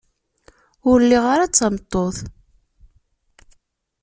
Ur liɣ ara tameṭṭut.